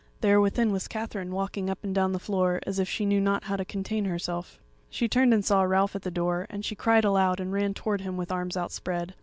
there within was Katherine walking up and down the floor as if she knew not how to contain herself. She turned and saw Ralph at the door, and she cried aloud and ran towards him with arms outspread.